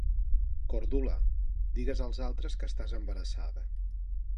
"Cordula: digues als altres que estàs embarassada!".